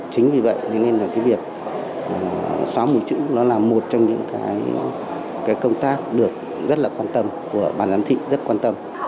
chính vì vậy nên là cái việc xóa mù chữ nó là một trong những cái công tác được rất là quan tâm của ban giám thị rất quan tâm